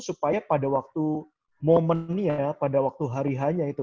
supaya pada waktu momennya pada waktu hari hanya itu